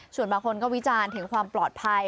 ส่วนบางคนก็วิจารณ์ถึงความปลอดภัย